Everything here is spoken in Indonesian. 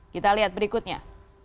kita lihat berikutnya